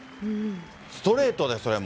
ストレートで、それも。